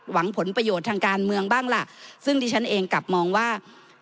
หวังผลประโยชน์ทางการเมืองบ้างล่ะซึ่งดิฉันเองกลับมองว่า